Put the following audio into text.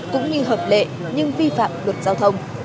cũng như hợp lệ nhưng vi phạm luật giao thông